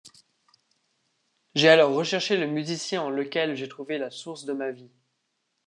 J'ai alors recherché le Musicien en Lequel j'ai trouvé la source de ma vie.